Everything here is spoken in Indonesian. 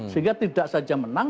sehingga tidak saja menang